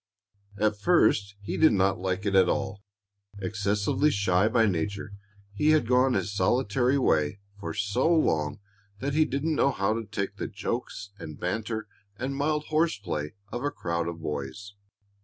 At first he did not like it at all. Excessively shy by nature, he had gone his solitary way for so long that he didn't know how to take the jokes and banter and mild horse play of a crowd of boys.